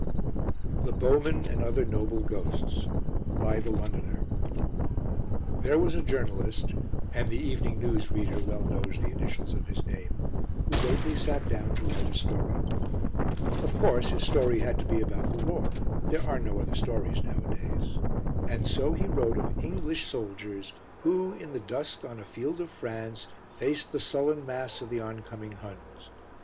The Bowmen And Other Noble Ghosts By "The Londoner" There was a journalist and the Evening News reader well knows the initials of his name who lately sat down to write a story. Of course his story had to be about the war; there are no other stories nowadays. And so he wrote of English soldiers who, in the dusk on a field of France, faced the sullen mass of the oncoming Huns.